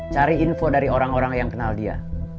cari info dari orang orang yang kenal dia